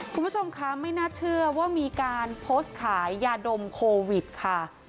คุณผู้ชมคะไม่น่าเชื่อว่ามีการโพสต์ขายยาดมโควิดค่ะ